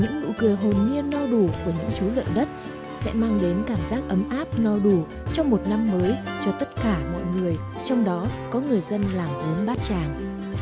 những nụ cười hồn nhiên no đủ của những chú lợn đất sẽ mang đến cảm giác ấm áp no đủ trong một năm mới cho tất cả mọi người trong đó có người dân làng bốn bát tràng